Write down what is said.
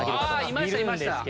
いましたいました。